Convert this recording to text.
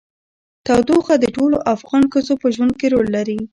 تودوخه د ټولو افغان ښځو په ژوند کې رول لري.